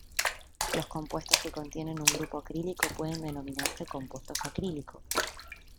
Los compuestos que contienen un grupo acrílico pueden denominarse "compuestos acrílicos".